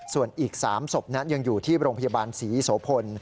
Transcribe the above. ส่วนอีก๓ศพนั้นยังอยู่ที่โรงพยาบาลศรีโสพล